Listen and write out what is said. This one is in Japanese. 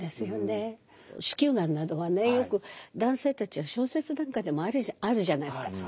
子宮がんなどはねよく男性たちは小説なんかでもあるじゃないですか。